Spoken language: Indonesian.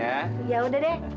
ya udah deh